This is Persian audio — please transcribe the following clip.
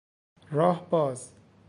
راه باز